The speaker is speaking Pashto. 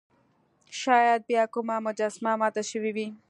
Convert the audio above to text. شاید بیا کومه مجسمه ماته شوې وي.